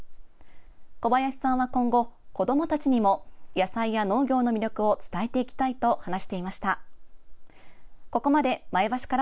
小林さんは、今後子どもたちにも野菜や農業の魅力を伝えていきたいと話していました。